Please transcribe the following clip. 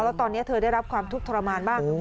แล้วตอนนี้เธอได้รับความทุกข์ทรมานมาก